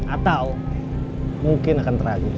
atau mungkin akan tragis